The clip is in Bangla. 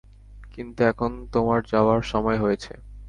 কিন্তু এখন তোমার যাওয়ার সময় হয়েছে।